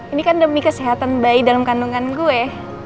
ini kan demi kesehatan bayi dalam kandungan gue